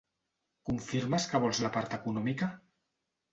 Confirmes que vols la part econòmica?